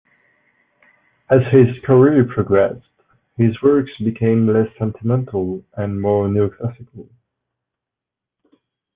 As his career progressed, his works became less sentimental and more neoclassical.